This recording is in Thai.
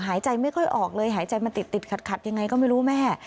หายใจไม่ค่อยออกเลยหายใจมันติดขัดยังไงก็ไม่รู้แม่